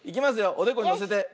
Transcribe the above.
おでこにのせて。